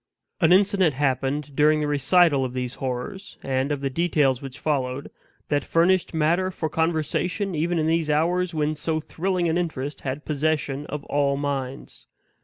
An incident happened during the recital of these horrors, and of the details which followed, that furnished matter for conversation even in these hours when so thrilling an interest had possession of all minds.